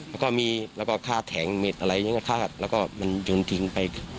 แล้วก็มีแล้วก็ฆ่าแข็งเม็ดอะไรอย่างนี้ก็ฆ่าแล้วก็มันจนทิ้งไป